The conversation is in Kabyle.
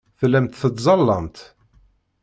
Tellamt tettẓallamt.